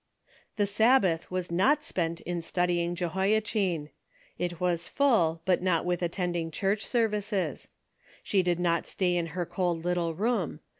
The Sabbath was not spent in studying Je hoiachin. It was full, but not with attending church services. She did not stay in her cold little room.